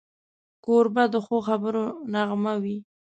کوربه د ښو خبرو نغمه وي.